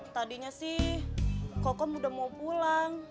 tadinya sih kok kamu udah mau pulang